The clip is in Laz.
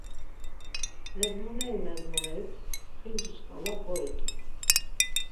Mezmoneri mezmoneri xinci şǩala goit̆u.